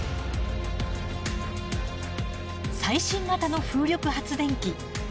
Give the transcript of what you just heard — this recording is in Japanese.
最新型の風力発電機。